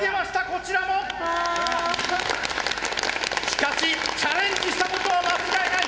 しかしチャレンジしたことは間違いない！